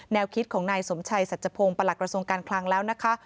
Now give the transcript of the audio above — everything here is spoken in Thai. คิดของนายสมชัยสัจพงศ์ประหลักกระทรวงการคลังแล้วนะคะ